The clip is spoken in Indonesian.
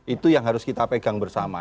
itu yang harus kita pegang bersama